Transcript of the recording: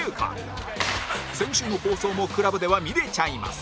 先週の放送も ＣＬＵＢ では見れちゃいます